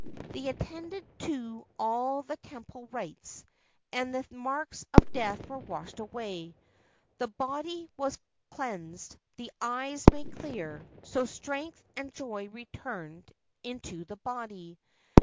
They attended to all the temple rites, and the marks of death were washed away. The body was cleansed, the eyes made clear, so strength and joy returned into the body.